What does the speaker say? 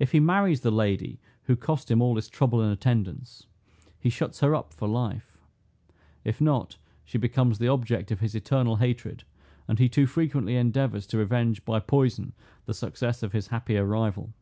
If he marries the lady who cost him all this trouble and attendance, he shuts her up for life: If not, she becomes the object of his eternal hatred, and he too frequently endeavors to revenge by poison the success of his happier rival.